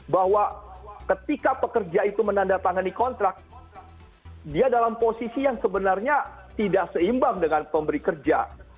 bahwa ketika pekerja itu menandatangani kontrak dia dalam posisi yang sebenarnya tidak seimbang dengan pemberi kerja